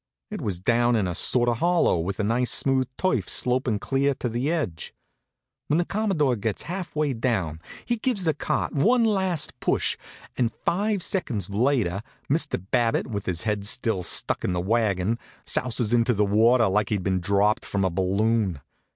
It was down in a sort of hollow, with nice smooth turf slopin' clear to the edge. When the Commodore gets half way down he gives the cart one last push, and five seconds later Mr. Babbitt, with his head still stuck in the wagon, souses into the water like he'd been dropped from a balloon.